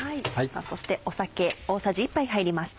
そして酒大さじ１杯入りました。